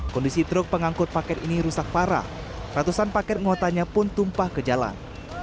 kondisi truk pengangkut paket ini rusak parah ratusan paket muatannya pun tumpah ke jalan